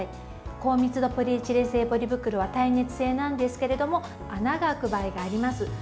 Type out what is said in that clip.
高密度ポリエチレン製ポリ袋は耐熱性なんですけれども穴が開く場合があります。